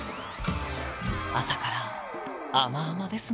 朝から甘々ですな。